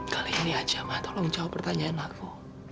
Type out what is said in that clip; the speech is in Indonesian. kali ini aja mah tolong jawab pertanyaan aku